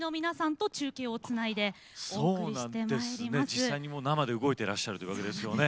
実際に生で動いてらっしゃるというわけですよね。